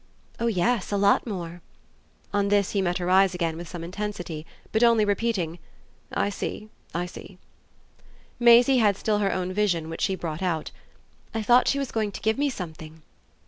"Oh yes, a lot more." On this he met her eyes again with some intensity, but only repeating: "I see I see." Maisie had still her own vision, which she brought out. "I thought she was going to give me something."